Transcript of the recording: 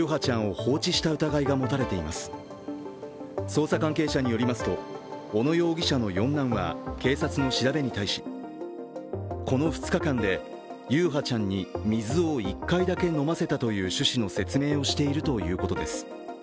捜査関係者によりますと小野容疑者の四男は警察の調べに対しこの２日間で優陽ちゃんに水を１回だけ飲ませたという趣旨の説明をしているということです。